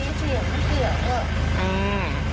อืมเสียงหายไปเหรอลูก